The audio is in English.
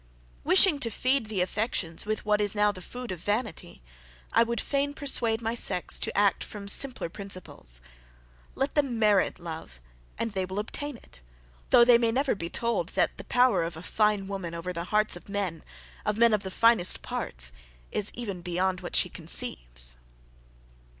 Wishing to feed the affections with what is now the food of vanity, I would fain persuade my sex to act from simpler principles. Let them merit love, and they will obtain it, though they may never be told that: "The power of a fine woman over the hearts of men, of men of the finest parts, is even beyond what she conceives."